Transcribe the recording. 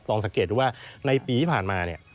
ลองสังเกตว่าในปีที่ผ่านมา